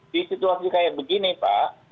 di situasi kayak begini pak